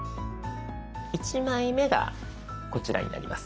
１枚目がこちらになります。